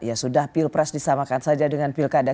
ya sudah pilpres disamakan saja dengan pilkada